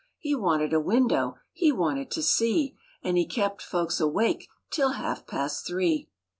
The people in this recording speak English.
He wanted a window; he wanted to see; And he kept folks awake till half past three.